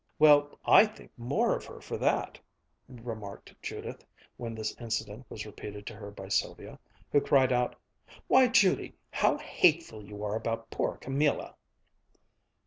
"Well, I think more of her for that!" remarked Judith, when this incident was repeated to her by Sylvia, who cried out, "Why, Judy, how hateful you are about poor Camilla!"